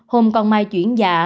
hôm còn mai chuyển dạ